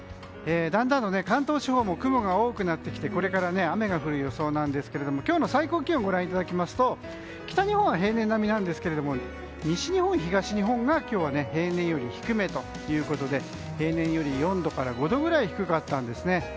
だんだんと関東地方も雲が多くなってきてこれから雨が降る予想なんですが今日の最高気温をご覧いただきますと北日本は平年並みなんですが西日本、東日本が今日は平年より低めということで平年より４度から５度ぐらい低かったんです。